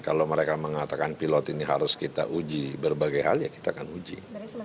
kalau mereka mengatakan pilot ini harus kita uji berbagai hal ya kita akan uji